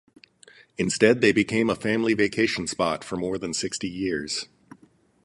Instead, they became a family vacation spot for more than sixty years.